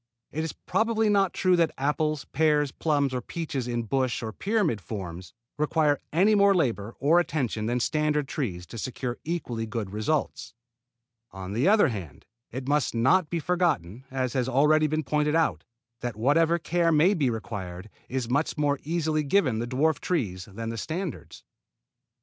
It is probably not true that apples, pears, plums or peaches in bush or pyramid forms require any more labor or attention than standard trees to secure equally good results. On the other hand it must not be forgotten, as has already been pointed out, that whatever care may be required is much more easily given the dwarf trees than the standards.